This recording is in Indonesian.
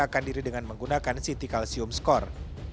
pemeriksaan diri dengan menggunakan ct calcium score